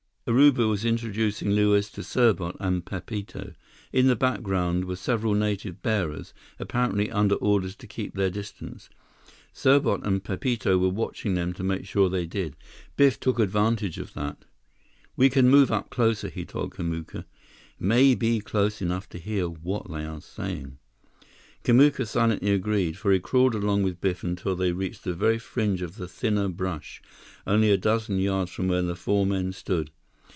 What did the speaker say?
Urubu was introducing Luiz to Serbot and Pepito. In the background were several native bearers, apparently under orders to keep their distance. Serbot and Pepito were watching them to make sure they did. Biff took advantage of that. "We can move up closer," he told Kamuka. "Maybe close enough to hear what they are saying." Kamuka silently agreed, for he crawled along with Biff until they reached the very fringe of the thinner brush, only a dozen yards from where the four men stood.